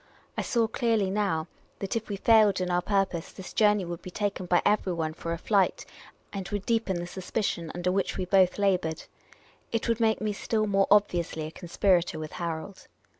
I saw clearly now that if we failed in our purpose this journey would be taken by everyone for a flight, and would deepen the suspicion under which we both laboured. It would make me still more obviously a conspirator with Harold.